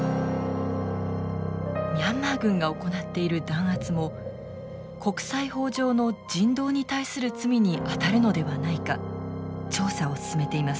ミャンマー軍が行っている弾圧も国際法上の人道に対する罪にあたるのではないか調査を進めています。